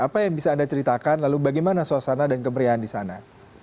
apa yang bisa anda ceritakan lalu bagaimana suasana dan kemeriahan di sana